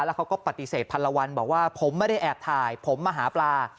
แล้วเขาก็ปฏิเสธพันละวันบอกว่าผมไม่ได้แอบถ่ายผมมาหาปลา